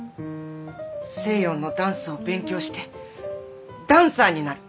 西洋のダンスを勉強してダンサーになる。